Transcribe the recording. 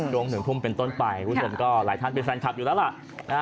ช่วง๑ทุ่มเป็นต้นไปคุณผู้ชมก็หลายท่านเป็นแฟนคลับอยู่แล้วล่ะ